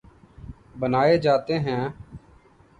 بنائے جاتے ہیں